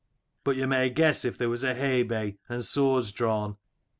But you may guess if there was a haybay and swords drawn.